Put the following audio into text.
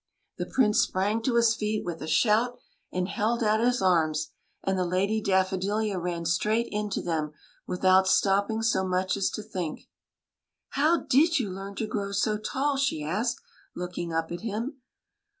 The Prince sprang to his feet with a shout and held out his arms ; and the Lady Daffo dilia ran straight into them without stopping so much as to think. " How did you learn to grow so tall?'* she asked, looking up at him.